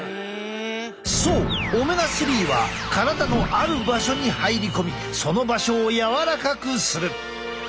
そうオメガ３は体のある場所に入り込みその場所を柔らかくする。